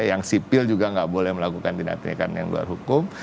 yang sipil juga nggak boleh melakukan tindak tindakan yang luar hukum